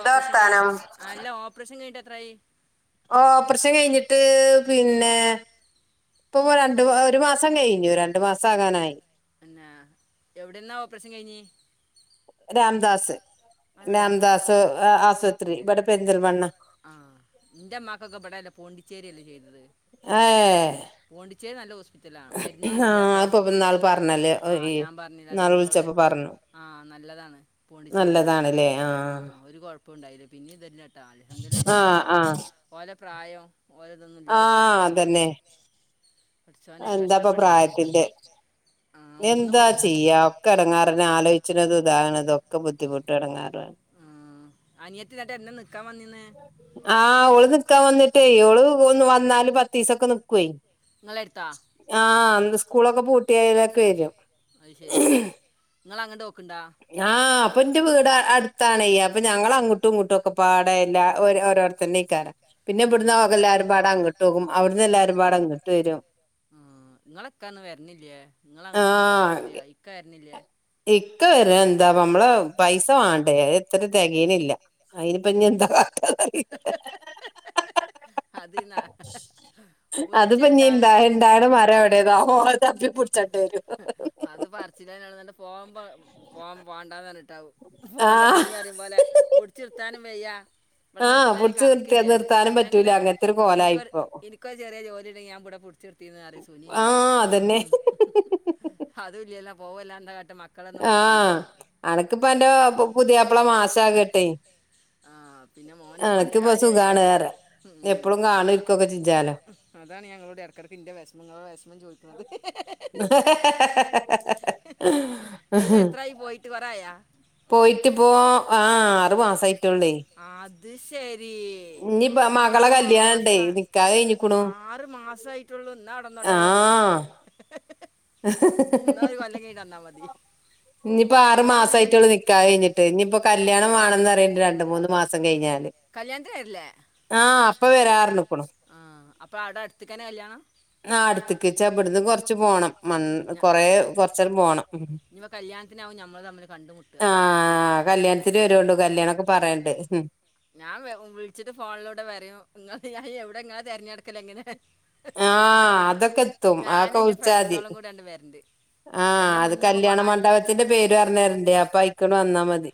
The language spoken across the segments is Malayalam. ഓപ്പറേഷൻ കയ് അല്ല ഓപ്പറേഷൻ കഴി [unintelligible] യി ഓപ്രഷം കഴിഞ്ഞിട്ട് പിന്നെ ഇപ്പൊപ്പൊ രണ്ടു ഒരു മാസം കഴിഞ്ഞു രണ്ടു മാസം ആകാനായി രാംദാസ് രാംദാസ് ആശ്പത്രി ഇവിടെ പെരിന്തൽമണ്ണ ച്ചേരിയല്ലേ ചെയ്തത് ഹേ ച്ചേരി നല്ല ഹോസ് ആ അഹ്പ്പ ഇന്നാൾ പറഞ്ഞല്ലേ ഒര് ഇന്നാൾ വിളിച്ചപ്പ പറഞ്ഞു നല്ലതാണ് പോണ്ടിച്ചേരില് ആ ഒരു കോഴപ്പുണ്ടായില്ല പിന്നെ ഇതല്ലട്ടാ അൽഹംദുയില്ലായിരിക്കട്ടെ ഓല പ്രായം ആ അതെന്നെ പടച്ചോനെ കഷ്ടപ്പെടുത്താതിരിക്കട്ടെ എന്താ ചെയ്യാ ഒക്കെ എടങ്ങേറന്നെ ആലോയ്ച്ണതും ഇതാവണതൊക്കെ ബുദ്ധിമുട്ടും എടങ്ങാറാണ് ആ ഓള് നിക്കാവന്നിട്ടെ ഓള് ഹു വന്ന് നാല് പത്തീസൊക്കെ നിക്കോയ് ഇങ്ങെളെര്ത്തോ സ്കൂളൊക്കെ പൂട്ടി [unintelligible] ക്കെ വരും അഹ് ശരി ഇങ്ങളങ്ങടോ ആ അപ്പ ഇന്റെ വീട് അടുത്താണേ ഞങ്ങളങ്ങട്ടും ഇങ്ങട്ടു ഒക്കെപ്പാടെ എല്ലാ ഓരോട്ത്തെന്നേക്കാരം പിന്നെ ഇബട്ന്ന് എല്ലാരുമ്പാടെ അങ്ങട്ടൊകും അവട്ന്ന് എല്ലാരുംബാടെ ഇങ്ങട്ട് വരും ആ ആഹ് വരാൻ എന്താ പ്പം നമ്മളെ പൈസ മാണ്ടേ അഎത്തിനും തെഗിണ്ല്ല അയിനിപ്പം ഇഞ് എന്താ കാട്ടാന്നറിനില്ല അതി നാ വിള്ച്ചെര്ത്താൻ അത് പർച്ചിലെന്നെ ഒള്ളു ഇന്നട്ട് പോവുമ്പം പോവൻ പോണ്ടാന്ന് പർ ട്ടാവും പോണ്ട സുനി പറിംപോലെ പുട്ച്ച് നിർത്താനും ബയ്യാ ആഹ് പുടിച്ച് നിർത്തിയ‌ത്‌ നിർത്താനും പറ്റൂല അങ്ങനെ ഇൻക്കൊര് ഇൻക്കൊരു ചെറിയ ജോലി ഇണ്ടെങ്കിൽ ഞാൻ ഇവിടെ പിടിച്ചിർത്തിന്ന് പറിം സുനിന്നോട് അതുല്ലേ [unintelligible] പോവല്ലാ ന്താ കാ ആഹ് അനക്കിപ്പ അന്റെ പുതിയാപ്ല മാസാകിട്ടെയ്ൻ അനക്കിപ്പ സുഖാണ് അറ എപ്പളും കാണ ഇരിക്കൊക്കെ ചെജാലോ അതാണ് ഞ ഇങ്ങളോട് ഇടക്കിടക്ക് ഇന്റെ വിശമങ്ങള് വിശ പോയിട്ടിപ്പോ ആഹ് ആറു മാസയി അത് ശരി ആറു മാസ ആറ് മാസയിട്ടുള്ളൂ ന്നാ അവിടെ ന്നോട്ടെ ട്ടുല്ലോ ന്നാ ഒരു കൊല്ലം കൈഞ്ഞിട്ട് വന്നാമതി ഇനിയിപ്പോ ആറ് മാസയിട്ടുള്ളു നിക്കാഹ് കഴിഞ്ഞിട്ട് ഇനിയിപ്പൊ കല്യാണം വേണന്ന് റയിണ്ട് രണ്ടു മൂന്ന് മാസ സം കഴിഞ്ഞാ ല് ആഹ് അപ്പൊ വരാർഞ്ഞ്ക്ക്ണു അപ്പോ അവിടടുത്തക്കന്നെ കല്യാണം ആഹ് അടുത്തക്ക്ച്ച ഇവിടന്ന് കൊറച്ചു പോണം മൺ കൊറേ കൊറച്ചേരം പോണം മ് ആഹ് കല്യാണത്തിന് വരുള്ളൂ കല്യാണൊക്കെ പറയണ്ട് ഞാൻ വെ വിളിച്ചിട്ട് ഫോണിലൂടെ വരയും നിങ്ങളെ ഞായ് എവിടെ ഇങ്ങളെ തിരഞ്ഞെടുക്കല് എങ്ങനെ ആഹ് അതൊക്കെ എത്തും അതൊക്കെ വിളിച്ചാതി ആഹ് അത് കല്യാണ മണ്ഡപത്തിന്റെ പേര് പറഞ്ഞരണ്ട്യ അപ്പൊ അയിക്കൊണ്ട് വന്നാ മതി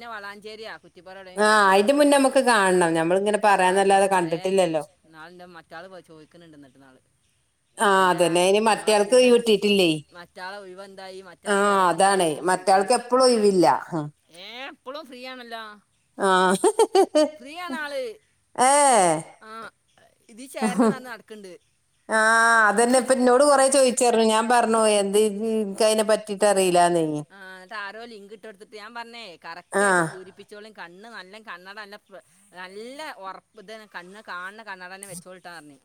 പിന്നെ വളാഞ്ചേരിയാ കുറ്റിപ്പുറം എവിടെയും കൂടണം പറഞ്ഞ് കൊറേ ആയിക്കണ് എന്നാളിന്റെ മറ്റാള് പോയി ചോദിക്കുന്നുണ്ട് എന്നിട്ട് നാള് അല്ലാ ഞമ്മളെ കൂടെല മറ്റാളെ ഒഴിവെന്തായി മറ്റാളെ വിരവെന്തായി ന്നൊക്കെ ചോയിക്കിണ്ട് ഏഹ് ഇപ്പോളും ഫ്രീയാണല്ലോ ആഹ് ഏഹ് ആഹ് അതന്നെ ഇപ്പന്നോട് കൊറെ ചോദിച്ചായർന്നു ഞാൻ പറഞ്ഞു എന്തേയ് എക്കയിനെ പറ്റിട്ട് അറിയില്ലാന്നയ്നി ആരോ ലിങ്ക് ഇട്ടു കൊടുത്തിട്ട് ഞാൻ പറഞ്ഞേ കറക്റ്റായിട്ട് പൂരിപ്പിച്ചോളിൻ കണ്ണ് നല്ല കണ്ണടന്നെ നല്ലെ ഒറപ്പ് ഇതെ കണ്ണ് കാണ്ന കണ്ണടന്നെ വെച്ചോള്ട്ടാ റഞ്ഞ്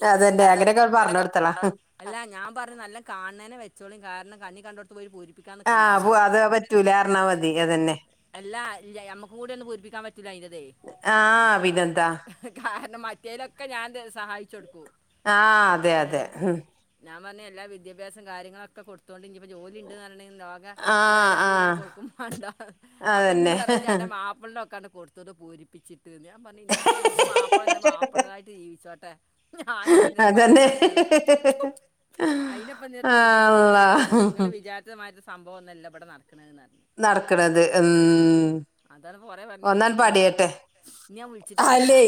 [unintelligible] [unintelligible] അല്ല ഞാ പറ്ഞ്ഞ് നല്ല കാൺനെന് വെച്ചോളി കാര്ണം കണ്ണി കണ്ടോട്ത്തു പോയി പൂരി ആഹ് പൂവാ അത് പറ്റൂല പറണാമതി അതന്നെ അല്ല ഇല്യ നമുക്ക് കൂടെ ഒന്ന് പൂരിപ്പിക്കാൻ പറ്റ് ആഹ് പിന്നെന്താ മറ്റേയിലൊക്കെ ഞാൻ ഇന്റെ സ് സഹായിച്ച് കൊട്ക്കും ഏഹ് ഞാൻ പറഞ്ഞ് എല്ല വിദ്യാഭ്യാസം കാര്യങ്ങളൊക്കെ കൊട്ത്തോണ്ട് ഇഞ്ഞ്പ്പോ ജോലി ഇണ്ട് ന്നറിഞ്ഞ് [unintelligible] ലോക ഉള്ള വില കൂടു ആണേൽ കൊടുക്കു വേണ്ട അപ്പൊ എന്നോട് പറ ഇജ്ജ് അന്റെ മാപ്പിൾ ഇതൊക്കങ് കൊടുത്തത് പൂരിപ്പിച്ച് ട്ട് ഞാൻ പറഞ്ഞു ഇന്റെ എന്റെ മാപ്പിള എന്റെ മാപ്പിളനായിട്ട് ജീവിച്ചോട്ടെ ഞാനിപ്പന്തിനെ പയ്യ നടക്കുന്നേ അയിനി ഇപ്പ എത്ര ബുദ്ധിമുട്ടിക്കണം ഞാൻ നിങ്ങള് വിചാരിതമാരി സംഭവം ഒന്നല്ല ഇവിടെ നടക്കുന്നേന്ന് പറഞ്ഞ് ആഹ് അതാണ് കൊറെ പറഞ്ഞ് വെച്ചിണ് ഞാൻ വിളിച്ചിട്ടില്ലട്ടാ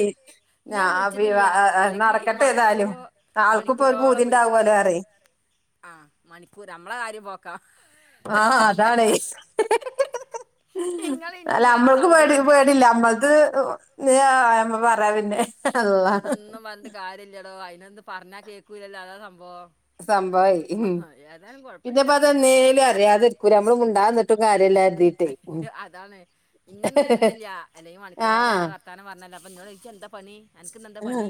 ഇന്ന് ഞാൻ വിളിച്ചിട്ടില്ല അല്ലെങ്കി മണിക്കൂറോ മണിക്കൂറോളം വിളിക്കും ആഹ് മണിക്കൂർ നമ്മളെ കാര്യം പോക്കാ ആഹ് അതാണ് അല്ല നമ്മക്ക് പേടി പേടില്ല അമ്മൾത് ആയ്മ്മ പറയാ പിന്നെ അതൊന്നും പറഞ്ഞ്ട്ട് കാര്യല്ലടോ അയി എന്ത് പറഞ്ഞാ കേൾക്കൂലല്ലോ അതാ സംഭവം സംഭവായി ഉം പിന്നെപ്പ അതെന്നേലും അറിയാതിരിക്കൂല്ല നമ്മള് മുൻ ഞാൻ ന്നിട്ട് കാരില്ലാ അതാണ് ഇന്ന ഒന്നും കിട്ടുന്നില്ല അല്ലെങ്കിൽ മണിക്കൂറോളം ഞങ്ങള് വർത്താനം പറഞ്ഞല്ലേ അപ്പ എന്നോട് ചോദിച്ചു എന്താ പണി എനക്ക് ഇന്ന് എന്താ പണി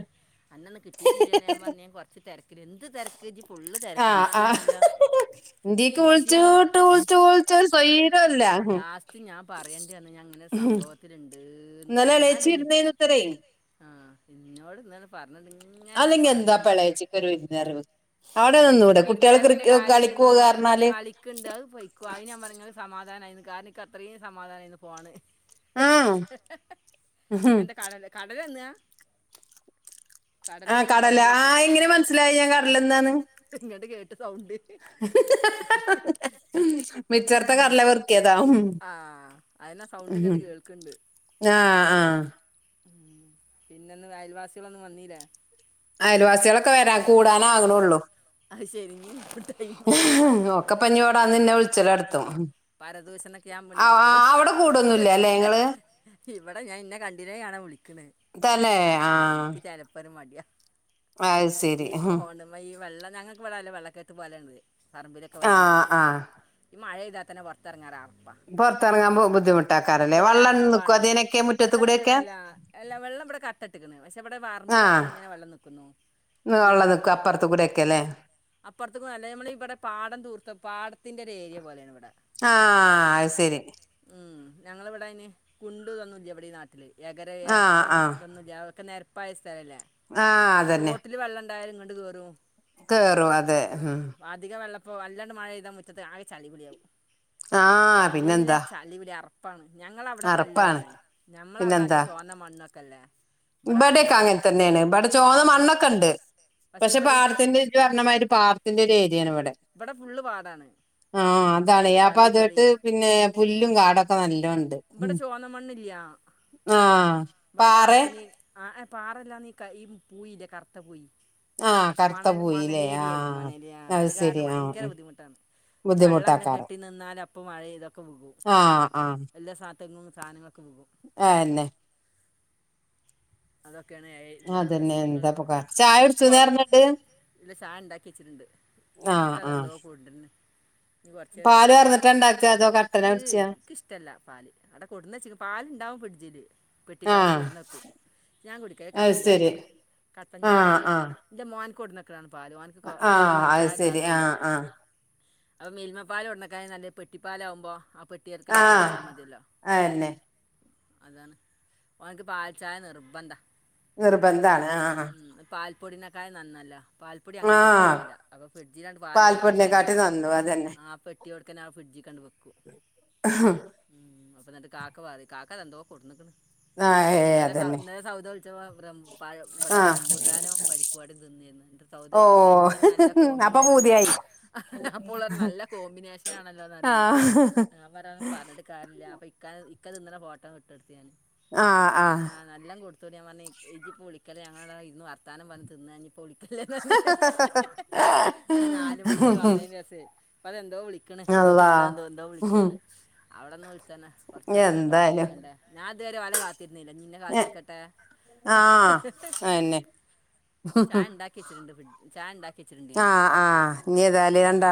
അന്നെ ഇന്ന് കിട്ടിയിട്ടില്ല ഞാൻ പറഞ്ഞ് ഞാൻ കൊറച്ച് തിരക്കില്ല എന്ത് തിരക്ക് ഫുള്ള് തിരക്ക് ബിസി ആണല്ലോ ബിസിയാണ് ലാസ്റ്റ് ഞാൻ പറയേണ്ടി വന്ന് ഞാൻ ഇങ്ങനെ സംഭവത്തിലുണ്ട്ന്ന് ഇന്നല്ലേ ആഹ് എന്നോട് ഇന്നല പറ അല്ലെങ്കിൽ എന്താപ്പ ഇളയിച്ചിക്കൊരു ഇരുന്നെറവ് ഇളയച്ചിക്ക് വിരുന്ന് വരവിന്റെ കാര്യംണ്ട്ന്ന കളിക്ക്ണ്ട് അത് പൊയ്ക്കു അത് ഞാൻ പറഞ്ഞ സമാധാനമായി കാണിക്ക അത്രയും സമാധാനായിന് പോണ് എന്റെ കടല് കടലിന്നാ ആ കടല ആ എങ്ങനെ മനസ്സിലായി ഞാൻ കടല തിന്നാ എങ്ങട് കേട്ട് സൗണ്ട് മിച്ചറത്തെ കറലെ പെറുക്കിയതാ ഉം മ്ഹ് ആഹ് ആഹ് ഉം പിന്നന്ന് അയൽവാസികളൊന്നും വന്നീല്ലേ അയൽവാസികളൊക്കെ വരാൻ കൂടാൻ ആങ്ങണൊള്ളൂ ഒക്ക പനി ഓടാന്ന് എന്നെ വിളിച്ചൊര് അടു ക്കാൺ പരദൂഷനൊക്കെ ആമ്‌ണ്ടാ പ്പുളു ഇവടെ ഞാൻ ഇന്ന കണ്ടിനേ കാണൻ വിളി ക്ക്ണേ ആ എനിക്ക് ചെലപ്പൊരു മടിയാ അത് ശരി മ്‌ഹ് ഞങ്ങക്ക് ഇവിട നല്ല വെള്ളക്കെട്ട് പോലേണ് പറമ്പിലൊക്കെ വെള്ളം നിക്കും മഴേയ്താൽ അത്തന പൊറത്തെറങ്ങാറാവും ഇവടെ അറുപ്പാണ് വെള്ളം നിക്കുന്നല്ല എല്ല വെള്ളം ഇവിടെ കട്ടട്ടക്കണ് പക്ഷെ ഇവടെ വറമ്പിലൊക്കെ ഇങ്ങനെ വെള്ളം നിക്കുന്നു ഈ തോട് അപ്പറത്തുക്കു നല്ലേ നമ്മള് ഇവടെ പാടം തൂർത്ത പാടത്തിന്റെ ഇത്ഏര്യ പോലയാണിവിട ആഹ് അത് ശരി ഉം ഞങ്ങളവട അയ്ന് കൊണ്ട് തന്നില്ല എവിടെ ഈ നാട്ടില് ഏകര ഏർക്കം ഇതൊന്നുല്ല്യ അതക്കെ നേര പായസ് സലം ഇല്ല തോട്ടില് വെള്ളം ൺ ണ്ടായാലും കണ്ട് കേറും കേറും അതെ എഹ് ഇപ്പൊ അല്ലാണ്ട് മഴെയ്താ മുറ്റത്ത് ആകെ ചളിപൊളി ആവും ആഹ് പിന്നെന്താ പണെ ഞങ്ങള അവിടെക്കെ നല്ലതാണ് ഞമ്മളവിട നല്ല ചോന്ന മണ്ണക്കെ അല്ലേ ഇബടെക്കെ അങ്ങനെ തന്നെയാണ് ഇബട ചോന്ന മണ്ണൊക്കെ ഒണ്ട്. പക്ഷെ പാടത്തിന്റെ ഇജ് വരണമായിട്ട് പാടത്തിന്റെ ഒരു ഏരിയാണ് ഇവടെ ആഹ് അതാണ് യാപ്പാ തേട്ട് പിന്നെ പുല്ലും കാടൊക്ക ഇവട ചൊവന്ന മണ്ണില്ല ആഹ് പാറയ പാറല്ലാ നീ കയ് ഈ പൂയില്ലെ കറ്ത്ത പൂയി മണൽ മണലേരിയയല്ലേ മണല് ആ അത് കാരണം ഭയങ്കര ബുദ്ധിമുട്ടാണ് ഇനി വള്ളം എല്ലം കെട്ടി നിന്നാൽ അപ്പൊ മഴ ഇതൊക്ക വികും എല്ലാ സാ തെങ്ങും സാധനങ്ങളും അയെന്നെ അതൊ ഇക്കണെ ഇവടെ പ്രശ്നങ്ങള് കൊഴപ്പ ഇല്ല സാനിണ്ടാക്കിച്ചിട്ട്ണ്ട് ഇക്ക അതെന്തോ കൂട്ടെർന്- ഇനി കുറച്ചേരം അടെ കുടനക്കട്ട് എനിക്കിഷ്ടല്ല പാല് അവിടെ കൊടുന്നിച്ച പാലിണ്ടാവും ഫ്രിഡ്ജില് പെട്ടിപ്പാല് കൊടുന്നെക്കും ഞാൻ കുടിക്കയ കട്ടൻചായ കട്ടൻചായ ന്റെ മോ- മാൻകൊട്ന്നക്കാണ് ആഹ് അഹ്സരി ആഹ് ആഹ് അപ്പ മിൽമപ്പാലൊണ്ടനെക്കാ നല്ല പെട്ടിപ്പാലാവുമ്പോ പെട്ടിയർക്കന്നവടെ വെച്ചാ മതിയല്ലോ അതാണ് ഓൻക്ക് പാൽ ചായനിർബധ നിർബന്ധാണ് ആഹ് പൊടിനെകാല് നന്നല്ല പാൽപ്പൊടി അങ്ങനെ കുടനക്കൂല്ല അപ്പൊ ഫ്രിഡ്ജിലാണ്ട് പാല് കയറ്റച്ചാല് ആഹ് പെ ട്ട്യോടക്കെ ഫ്രഡ്ജിക്കണ്ട് വെ അപ്പന്നട്ട് കാക്കവാതി കാക്ക എന്തോ കൊണ്ടന്ന്ക്കണ് ഇന്നലെ സൗ ഇന്നലെ സൗദളിച്ചപ്പോ ഇവിടെ ബ്രംബൂട്ടാനും പരിപ്പുവടെം തിന്നിരുന്നു എന്ന്ട്ട് സൗദക്കണ്ട് രണ്ടും നല്ല കോമ്പിനേഷനാണ് അപ്പ ഒള്ളോർഞ്ഞ് നല്ല കോമ്പിനേഷൻ ആണല്ലോന്നറിണ്ട് ഞാൻ പറ പറഞ്ഞിട്ട് കാരില്ല അപ്പൊ ഇക്ക ഒക്കെ തിന്നണ ഫോട്ടോങ്ങട്ടിടൊത്ത് ഞാന് ആഹ് ആഹ് ഞാപറഞ്ഞ് ഇഞ്ചിപ്പൊളിക്കലെ ഞങ്ങടിടെ ഇര്ന്ന് വർത്താനം പറഞ്ഞ് തിന്നാനി പൊളിക്കല്ലേ നന്ദി നാല്മണി ഓല് വന്നേന്സെ അതെ എന്തോ വിളിക്കണ് എന്തോ തിന്നതോന്ന് എന്തോ വിളിക്കണ്ട് അവിടെന്ന് വിളിച്ചന്നെ കൊറച്ചേരം കാത്തിരിക്കണ്ടേ ഞാ വരെ വല ത്തിരുന്നില്ല ഇനിന്നെ കാത്തിരിക്കട്ടെ ചായിണ്ടാക്കി വച്ചിട്ടണ്ട് ഫ്രിഡ് ചായ ഇണ്ടാക്കി വെച്ചിട്ടുണ്ട്ഞാ ഉം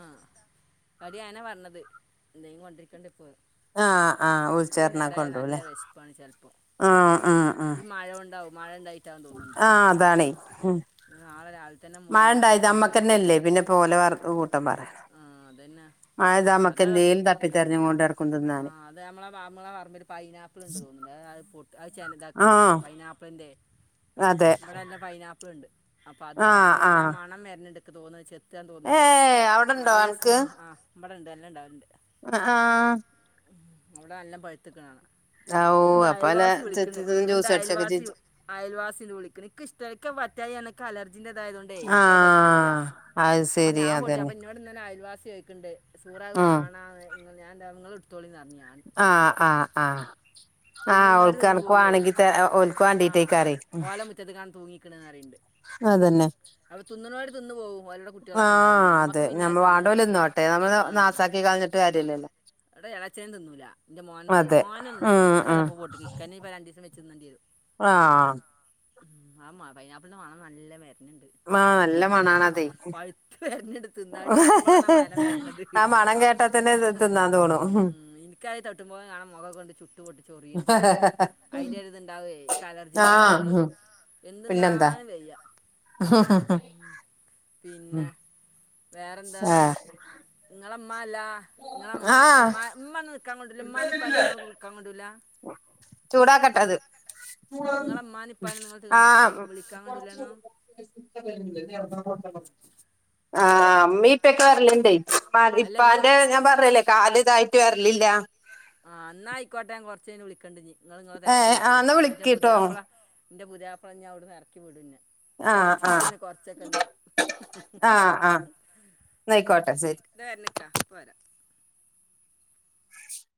ആഹ് ടിയങ്ങന പറഞ്ഞത് എന്തേങ്കി കൊണ്ടിരിക്കാണ്ടിപ്പൊരും ആഹ് ആഹ് ഉൾച്ചേർ നല്ല വെശപ്പാണ് ചെലപ്പൊ ഈ മഴ കൊ ണ്ടൊ മഴെണ്ടായ് ആഹ് അതാണേ ഉം മഴെണ്ടായത് അമ്മക്കന്നെല്ലെ പിന്നെ പോലെവർ കൂട്ടന്മാർ ആഹ് അതന്നെ അതാ ആഹ് അത് മ്മളെ മ്മളെ പറമ്പി പൈനാപ്പിളിണ്ട് തോന്നുണ്ട് അഹ് പൊട്ട് ഇതാക്ക പൈനാപ്പിൾന്റെ ഇവിടെ എല്ലാം പൈനാപ്പിളിണ്ട് അപ്പൊ അത് നല്ല മണം വരുന്നെണ്ട് ക്ക്‌ തോന്ന് ചെ ത്താ തോന്ന്ണ്ട് ഏ അവ്ടണ്ടോ അൻക്ക് വ്ട ണ്ട് നല്ലണ്ടാവൽണ്ട് ആഹ് അവ്ട നല്ലം പയ്ത്ത്ക്ക്‌ണ കാണ ഓ അപ്പൊ അല്ല ചെത്തി ത് ജ്യൂസ അട്ച്ചൊക്കെ ചെജ [unintelligible] വിളിക്ക്‌ണ് ഇക്ക്‌ഷ് ട ഇക്ക പറ്റായ്യേണ് ഇക്ക ലർ ല്ല തായതൊണ്ടേ ഇൻക്കവ് പറ്റ്ണില്ല അപ്പൊ ഞാ പൊ അപ്പ ഇന്നോട് ഇന്നലെ അയൽവാസ് ചോയ്ക്ക്‌ണ്ട് സൂറാ അവ് വാണാന്ന് ഞാൻ ന്ത ങ്ങളെട്ത്തോളിന്നർ ആഹ് ആഹ് ആഹ് ആഹ് ഓൾകണ്ക്ക്‌ വാണങ്കി തെ ഓൾക്ക് വാണ്ടീറ്റെയ്ക്കാരെ ഉം ക്ക്‌ണ്ന്നറിണ്ട് അതെന്നെ തിന്ന് പോവും ഓലട കുട്ട്യളൊക്കണ്ടാവും ഞമ്മക്ക് പിന്ന അവ് തിന്ന് ആഹ് ന്റെ എളേച്ചനു തിന്നൂല ന്റെ മോൻ മോന് ന്നു ക്കലപ്പ പോട്ടികി ഇക്ക ന്നെ പ്പ രണ്ടീസം വെച്ച് ന്നണ്ട്യരു ആമ്മ പൈനാപ്പിൾന്റെ വണം നല്ല വെ ണ്ട് പഴുത്ത് വെര്ന്ണ്ട് തിന്നാവ് ച്ചെത്തുമ്പോളന്നാ മണ വര്ണത് ക്ക്‌ എനിക്കായ് തൊട്ടുമ്പോ കാണ മൊഖ ങ്ങൊണ്ട് ചു ങ്ങൊട്ട് ചൊറിയിണ് അയ്ന്റൊര് ത്ണ്ടാവേ ക്ക്‌ അലർജിന്റതായ്ട്ട് എന്ത്‌ ന്നാൻ വെയ്യ പിന്നെ വേറെന്താണ് ങ്ങളെ മ് മാലാ ങ്ങളെ മ്മ മ്മ മ്മന്ന് ക്കാൻ കൊണ്ടര്ല് മ്മാനിം പ്പാനൊ ന്നുങ്ങള് കു ആ മമീം ഇപ്പീ ക്കെ വരലുണ്ടെയ് മ ഇപ്പാന്റെ ഞാൻ പറഞ്ഞില്ലേ കാല് ഇതായി കുട്ടി വരലില്ലാ ആ ന്നാ ആയ്ക്കോട്ടെ ഞാൻ കൊറച് കഴിഞ്ഞ് വിളിക്കണ്ട് ഇഞ്ഞി ഇങ്ങള് ഇങ്ങളെ തെരക്കൊളിചോളീം ഇന്റെ പുതിയാപ്പള എൻ്റെ പുതിയാപ്പളാ ഞ അവിടുനിറക്കി വിടന്നെ കാത്തിരിക്കുന്ന കൊറച്ചൊക്കെ ഇണ്ട് [unintelligible] ഇത് വരണക്കാ ഇപോരാ [unintelligible]